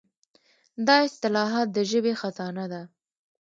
دا اصطلاحات د ژبې خزانه ده.